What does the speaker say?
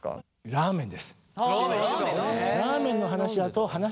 ラーメン！